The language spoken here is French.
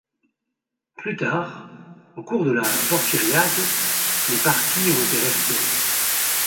Plus tard, au cours de la Porfiriato, les parties ont été restaurées.